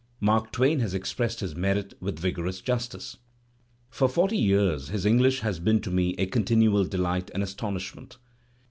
Mark A Twain has expressed his merit with vigorous justice: "For forty years his English has been to me a continual delight and astonishment.